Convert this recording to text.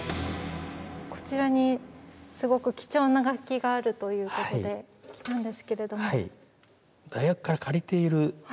こちらにすごく貴重な楽器があるということで来たんですけれども。